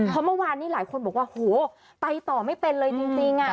เพราะเมื่อวานนี้หลายคนบอกว่าโหไปต่อไม่เป็นเลยจริง